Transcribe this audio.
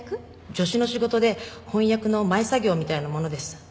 助手の仕事で翻訳の前作業みたいなものです。